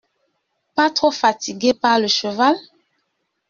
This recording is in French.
Pas trop fatiguée par le cheval…